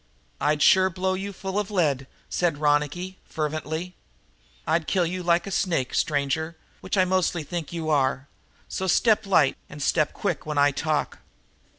"I'd sure blow you full of lead," said Ronicky fervently. "I'd kill you like a snake, stranger, which I mostly think you are. So step light, and step quick when I talk."